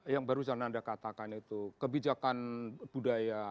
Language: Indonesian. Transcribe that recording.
yang barusan anda katakan itu kebijakan budaya